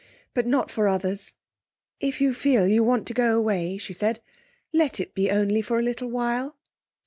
But not for others...If you feel you want to go away,' she said, 'let it be only for a little while.'